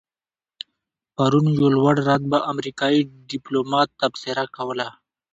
پرون یو لوړ رتبه امریکایي دیپلومات تبصره کوله.